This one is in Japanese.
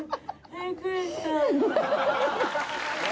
びっくりした。